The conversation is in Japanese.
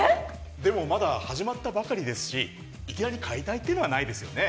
でもまだ始まったばかりですしいきなり解体ってのはないですよね